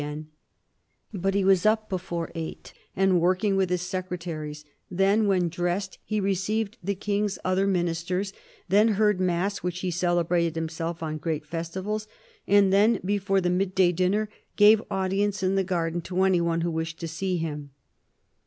THE CARDINAL 241 But he was up before eight and working with his secretaries ; then, when dressed, he received the King's other Ministers; then heard mass, which he celebrated himself on great festivals ; and then, before the mid day dinner, gave audience in the garden to any one who wished to see him.